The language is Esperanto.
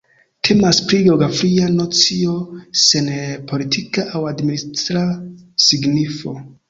Temas pri geografia nocio sen politika aŭ administra signifo.